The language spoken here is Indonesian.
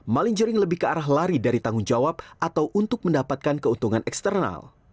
maling jering lebih ke arah lari dari tanggung jawab atau untuk mendapatkan keuntungan eksternal